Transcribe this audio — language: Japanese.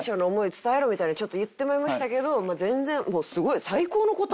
伝えろみたいにちょっと言ってしまいましたけど全然すごい。